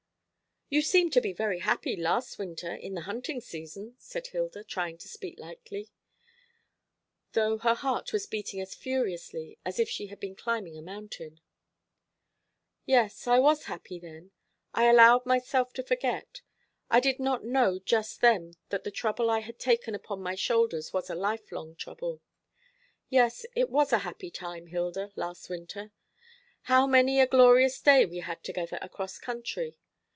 "You seemed to be very happy last winter in the hunting season," said Hilda, trying to speak lightly, though her heart was beating as furiously as if she had been climbing a mountain. "Yes, I was happy then. I allowed myself to forget. I did not know just then that the trouble I had taken upon my shoulders was a lifelong trouble. Yes, it was a happy time, Hilda, last winter. How many a glorious day we had together across country!